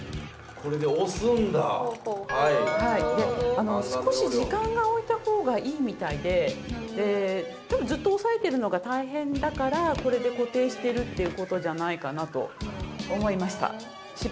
あの少し時間を置いた方がいいみたいで多分ずっと押さえてるのが大変だからこれで固定してるっていう事じゃないかなと思いました。